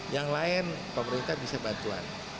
yang lain pemerintah bisa bantuan